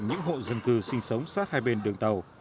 những hộ dân cư sinh sống sát hai bên đường tàu